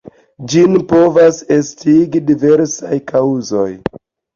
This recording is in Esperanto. Ĝin povas estigi diversaj kaŭzoj.